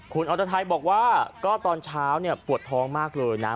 คุณอรไทยบอกว่าก็ตอนเช้าปวดท้องมากเลยนะ